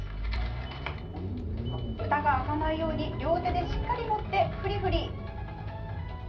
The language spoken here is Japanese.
ふたが開かないように両手でしっかり持って、フリフリ。